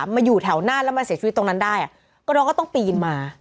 มาอยู่แถวหน้าแล้วมาเสียชีวิตตรงนั้นได้อ่ะก็น้องก็ต้องปีนมา